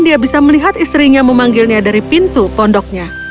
dia bisa melihat istrinya memanggilnya dari pintu pondoknya